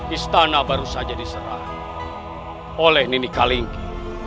istana baru saja diserah oleh nini kalingki